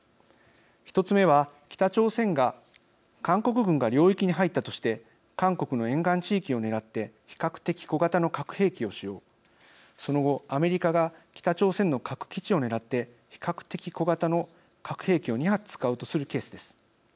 １つ目は、北朝鮮が韓国軍が領域に入ったとして韓国の沿岸地域を狙って比較的小型の核兵器を使用その後、アメリカが北朝鮮の核基地を狙って比較的小型の核兵器を２発使うとするケースです。